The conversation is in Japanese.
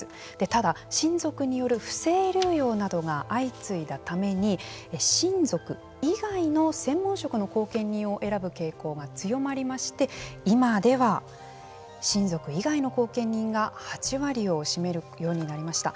ただ、親族による不正流用などが相次いだために親族以外の専門職の後見人を選ぶ傾向が強まりまして今では親族以外の後見人が８割を占めるようになりました。